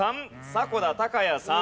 迫田孝也さん